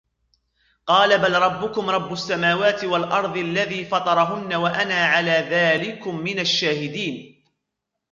قال بل ربكم رب السماوات والأرض الذي فطرهن وأنا على ذلكم من الشاهدين